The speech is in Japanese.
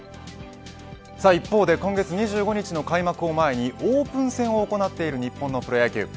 一方で今月２５日の開幕を前にオープン戦を行っている日本のプロ野球。